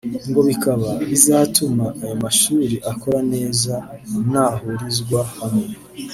ngo bikaba bizatuma ayo mashuri akora neza nahurizwa hamwe